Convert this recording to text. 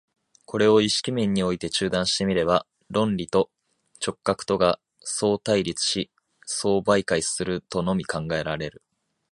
これを意識面において中断して見れば、論理と直覚とが相対立し相媒介するとのみ考えられる。